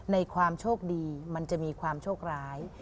ในความโชคดีมันจะมีความโชคร้าย